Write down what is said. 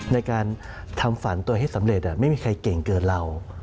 ในการทำฝันตัวเองให้สำเร็จไม่มีใครเก่งเกินเรา